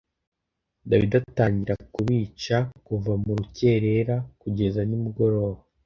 Dawidi atangira kubica kuva mu rukerera kugeza nimugoroba